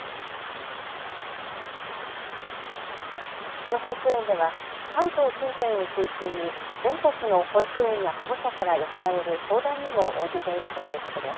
この保育園では関東近辺を中心に全国の保育園や保護者から寄せられる相談にも応じているということです。